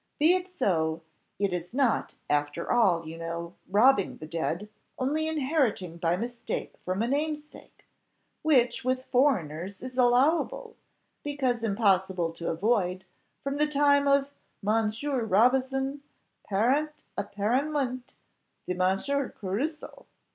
Be it so: it is not, after all, you know, robbing the dead, only inheriting by mistake from a namesake, which with foreigners is allowable, because impossible to avoid, from the time of _'Monsieur Robinson parent apparemment de Monsieur Crusoe?